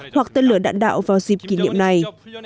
hoặc tên lửa đạn đạo vào dịp kỷ niệm này